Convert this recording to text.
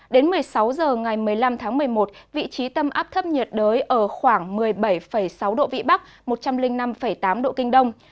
đến một mươi sáu h ngày một mươi năm tháng một mươi một vị trí tâm áp thấp nhiệt đới ở khoảng một mươi bảy sáu độ vĩ bắc một trăm linh năm tám độ kinh đông